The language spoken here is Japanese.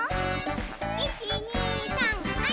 １２３はい！